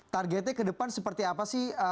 targetnya kedepan seperti apa sih